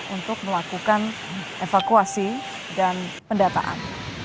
untuk melakukan evakuasi dan pendataan